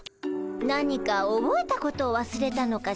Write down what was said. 何かおぼえたことをわすれたのかしら？